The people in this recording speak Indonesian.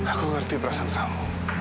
aku ngerti perasaan kamu